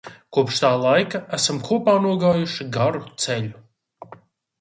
Kopš tā laika esam kopā nogājuši garu ceļu.